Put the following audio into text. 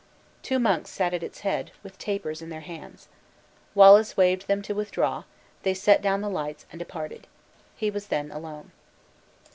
Two monks sat at its head, with tapers in their hands. Wallace waved them to withdraw; they set down the lights and departed. He was then alone.